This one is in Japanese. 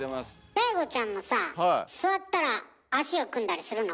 ＤＡＩＧＯちゃんもさ座ったら足を組んだりするの？